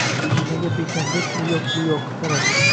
Nima gap ekan deb u yoq-bu yoqqa qaradik